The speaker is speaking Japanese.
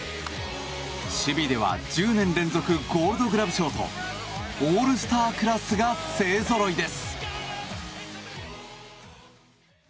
守備では１０年連続ゴールドグラブ賞とオールスタークラスが勢ぞろいです。